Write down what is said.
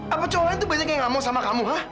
apa cowok lain tuh berarti kayak nggak mau sama kamu hah